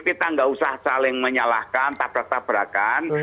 kita nggak usah saling menyalahkan tabrak tabrakan